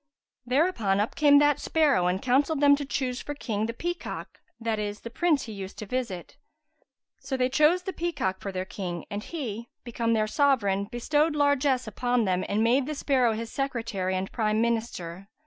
Thereupon up came that sparrow and counselled them to choose for King the peacock (that is, the prince he used to visit). So they chose the peacock to their King and he, become their sovereign, bestowed largesse upon them and made the sparrow his secretary and Prime Minister.